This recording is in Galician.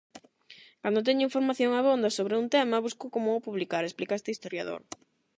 "Cando teño información abonda sobre un tema, busco como o publicar", explica este historiador.